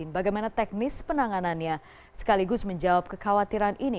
bagaimana teknis penanganannya sekaligus menjawab kekhawatiran ini